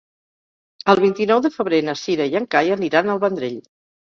El vint-i-nou de febrer na Cira i en Cai aniran al Vendrell.